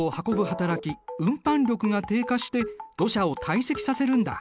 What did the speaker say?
はたらき運搬力が低下して土砂を堆積させるんだ。